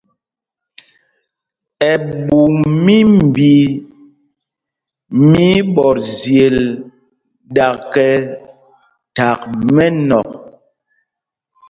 Ɛɓu mimbi mɛ íɓɔtzyel, ɗakɛ thak mɛnɔ̂k.